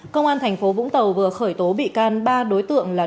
công an tp vũng tàu vừa khởi tố bị can ba đối tượng là